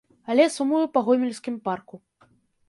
Але сумую па гомельскім парку.